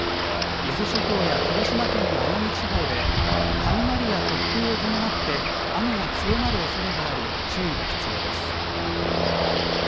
伊豆諸島や鹿児島県の奄美地方で雷や突風を伴って雨が強まるおそれがあり注意が必要です。